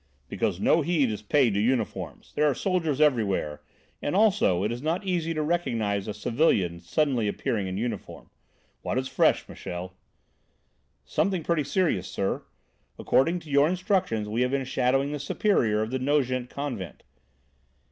"Because no heed is paid to uniforms, there are soldiers everywhere, and also it is not easy to recognise a civilian suddenly appearing in uniform. What is fresh, Michel?" "Something pretty serious, sir. According to your instructions we have been shadowing the Superior of the Nogent Convent."